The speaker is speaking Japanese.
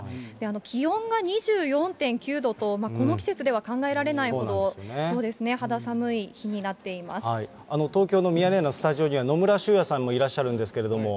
気温が２４．９度と、この季節では考えられないほど、肌寒い日に東京のミヤネ屋のスタジオには、野村修也さんもいらっしゃるんですけど。